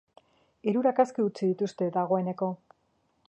Hirurak aske utzi dituzte dagoeneko.